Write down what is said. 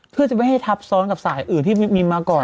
เพื่อจะไม่ให้ทับซ้อนกับสายอื่นที่มีมาก่อน